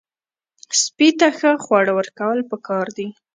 سپي ته ښه خواړه ورکول پکار دي.